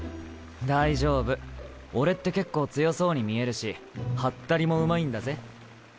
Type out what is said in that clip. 大丈夫俺って結構強そうに見えるしハッタリもうまいんだぜ。